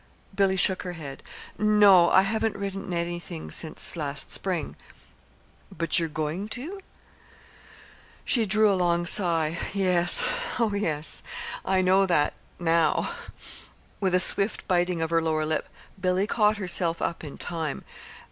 Billy shook her head. "No; I haven't written anything since last spring." "But you're going to?" She drew a long sigh. "Yes, oh, yes. I know that now " With a swift biting of her lower lip Billy caught herself up in time.